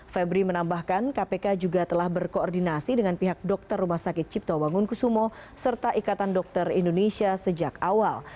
febri menambahkan kpk juga telah berkoordinasi dengan pihak dokter rumah sakit cipto bangun kusumo serta ikatan dokter indonesia sejak awal